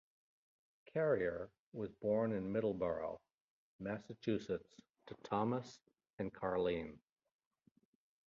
Carrier was born in Middleborough, Massachusetts to Thomas and Carleen.